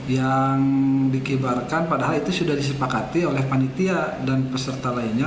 yang dikibarkan padahal itu sudah disepakati oleh panitia dan peserta lainnya